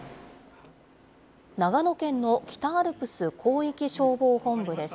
長野県の北アルプス広域消防本部です。